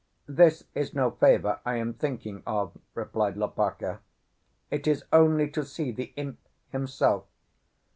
"This is no favour I am thinking of," replied Lopaka. "It is only to see the imp himself.